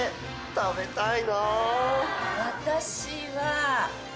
食べたい！